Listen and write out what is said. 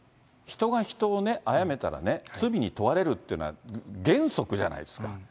人が人をね、あやめたらね、罪に問われるというのは、原則じゃないですか。